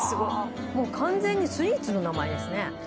完全にスイーツの名前ですね。